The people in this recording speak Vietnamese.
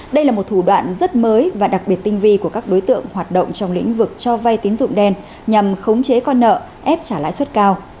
đây là một thủ đoạn rất mới và đặc biệt tinh vi của các đối tượng hoạt động trong lĩnh vực cho vay tín dụng đen nhằm khống chế con nợ ép trả lãi suất cao